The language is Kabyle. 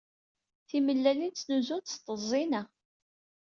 Timellalin ttnuzunt s tteẓẓina.